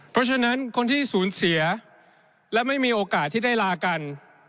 เพราะฉะนั้นคนที่สูญเสียและไม่มีโอกาสที่ได้ลากัน